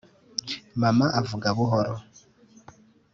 mama avuga buhoro